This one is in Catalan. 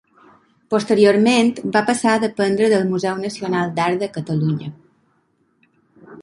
Posteriorment, va passar a dependre del Museu Nacional d’Art de Catalunya.